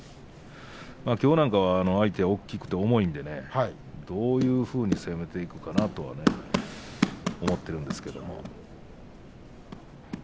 きょうなんかは相手は大きくて重いのでどういうふうに攻めていくのかなと思っているんですけどね。